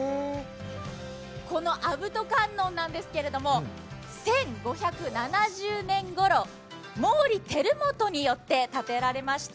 この阿伏兎観音なんですけども１５７０年頃毛利輝元によって建てられました。